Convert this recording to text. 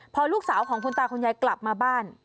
พอลูกสาวของคุณตาคุณยายกลับมาบ้าน